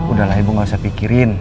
udah lah ibu gak usah pikirin